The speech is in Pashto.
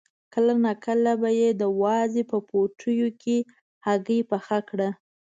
کله ناکله به یې د وازدې په پوټیو کې هګۍ پخه کړه.